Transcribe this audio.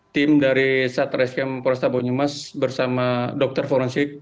tim dari satreskrim polresta banyumas bersama dokter forensik